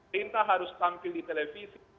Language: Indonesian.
kita harus tampil di televisi